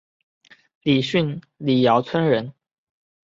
李迅李姚村人。